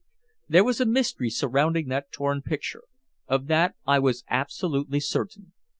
There was a mystery surrounding that torn picture; of that I was absolutely certain.